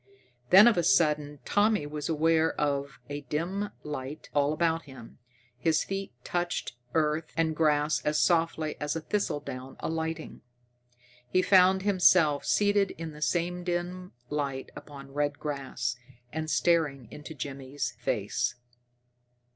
Then of a sudden Tommy was aware of a dim light all about him. His feet touched earth and grass as softly as a thistledown alighting. He found himself seated in the same dim light upon red grass, and staring into Jimmy's face.